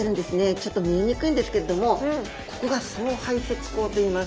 ちょっと見えにくいんですけれどもここが総排泄口といいます。